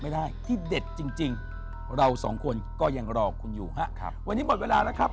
วันนี้ต้องขอขอบคุณปู่หล่นมากนะครับ